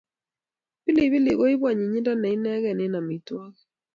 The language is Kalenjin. Pilipilik koipu anyinyindo ne inegei eng amitwogik